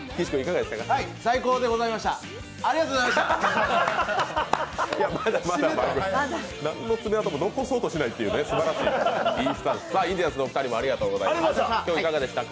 最高でございました、ありがとうございました。